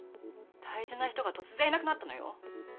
大事な人が突然いなくなったのよ。